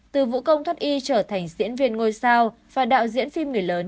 từ vũ công thoát y trở thành diễn viên ngôi sao và đạo diễn phim người lớn